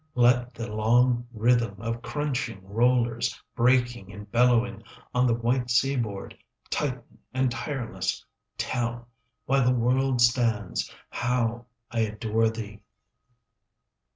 Let the long rhythm 15 Of crunching rollers, Breaking and bellowing On the white seaboard, Titan and tireless, Tell, while the world stands, 20 How I adore thee.